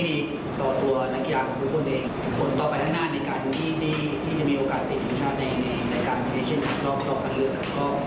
ก็ดูมีความมั่นแล้วก็พยายามจะแสดงศักยภาพออกมาให้เต็มที่กับการที่ได้รับโอกาสในการติดติดชาติ